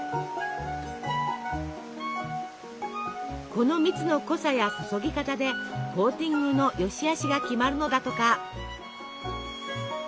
この蜜の濃さや注ぎ方でコーティングの善しあしが決まるのだとか。